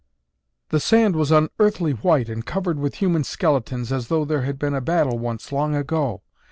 "The sand was unearthly white and covered with human skeletons as though there had been a battle once long ago.